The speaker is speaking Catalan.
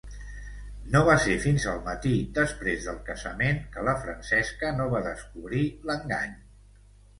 No va ser fins al matí després del casament que la Francesca no va descobrir l'engany.